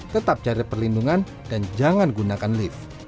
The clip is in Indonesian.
tetap cari perlindungan dan jangan gunakan lift